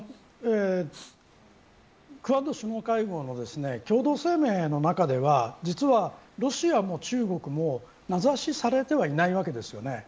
クアッド首脳会合の共同声明の中では実は、ロシアも中国も名指しされてはいないわけですよね。